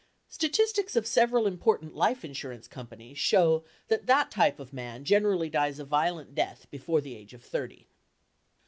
Statistics of several important life insurance companies show that that type of man generally dies a violent death before the age of thirty.